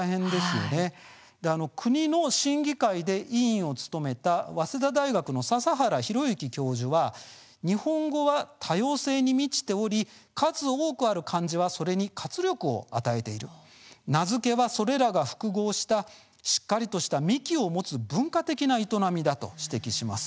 国の審議会で委員を務めた早稲田大学の笹原宏之教授は日本語は多様性に満ちており数多くある漢字はそれに活力を与えている名付けはそれらが複合したしっかりとした幹を持つ文化的な営みだと指摘します。